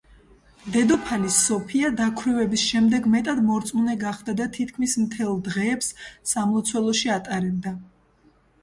დედოფალი სოფია დაქვრივების შემდეგ მეტად მორწმუნე გახდა და თითქმის მთელ დღეებს სამლოცველოში ატარებდა.